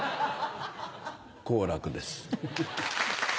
好楽です。